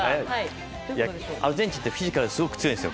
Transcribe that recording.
アルゼンチンってフィジカルが強いんですよ。